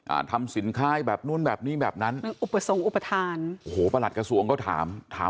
อ่าทำสินค้าให้แบบนู้นแบบนี้แบบนั้นอุปสรรคอุปทานโอ้โหประหลัดกระทรวงก็ถามถาม